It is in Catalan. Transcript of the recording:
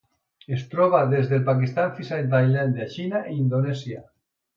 Es troba des del Pakistan fins a Tailàndia, Xina i Indonèsia.